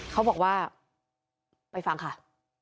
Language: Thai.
เขาบอกว่าไปฟังค่ะ